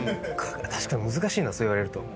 確かに難しいなそう言われると。